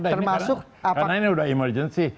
karena ini sudah emergency